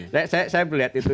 saya melihat itu